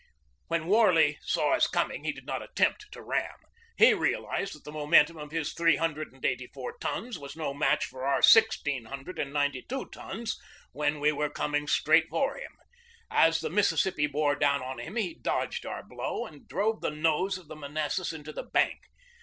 When Warley saw us coming he did not attempt 7 o GEORGE DEWEY to ram. He realized that the momentum of his three hundred and eighty four tons was no match for our sixteen hundred and ninety two tons when we were coming straight for him. As the Mississippi bore down on him, he dodged our blow and drove the nose of the Manassas into the bank.